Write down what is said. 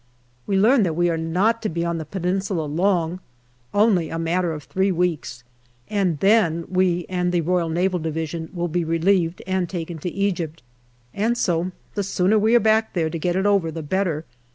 We learn that we are not to be on the Peninsula long only a matter of three weeks and then we and the R.N.D. will be relieved and taken to Egypt. And so the sooner we are back there, to get it over, the better.